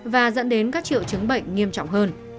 và dẫn đến các triệu chứng bệnh nghiêm trọng hơn